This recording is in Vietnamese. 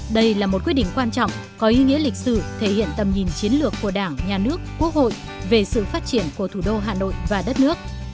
đây là một quyết định quan trọng có ý nghĩa lịch sử thể hiện tầm nhìn chiến lược của đảng nhà nước quốc hội về sự phát triển của thủ đô hà nội và đất nước